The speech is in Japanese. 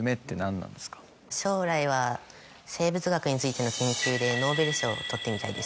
将来は生物学についての研究でノーベル賞を取ってみたいです。